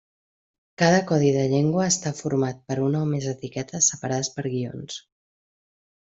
Cada codi de llengua està format per una o més etiquetes separades per guions.